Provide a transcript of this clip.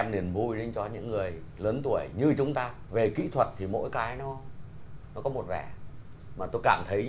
nên giám khảo cười theo